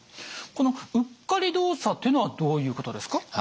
この「うっかり動作」というのはどういうことですか？